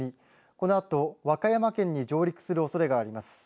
このあと、和歌山県に上陸するおそれがあります。